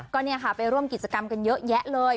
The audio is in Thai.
ก็ไปร่วมกิจกรรมกันเยอะแยะเลย